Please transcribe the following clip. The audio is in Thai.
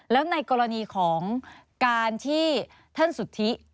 แล้วในกรณีของการที่ท่านสุธิ